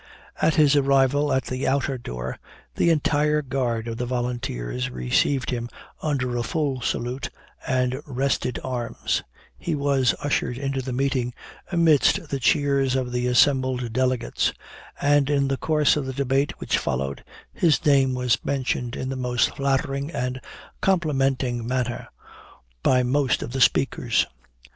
At his arrival at the outer door, the entire guard of the Volunteers received him under a full salute, and rested arms: he was ushered into the meeting amidst the cheers of the assembled delegates; and in the course of the debate which followed, his name was mentioned in the most flattering and complimenting manner, by most of the speakers.